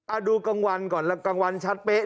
ดูกลางวันก่อนกลางวันชัดเป๊ะ